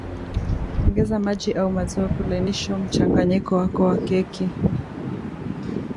Ongeza maji au maziwa kulainisha mchanganyiko wako wa keki